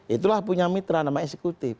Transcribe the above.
itulah punya mitra nama eksekutif